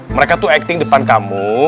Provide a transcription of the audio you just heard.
mereka tuh acting depan kamu